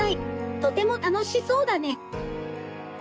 とても楽しそうだね。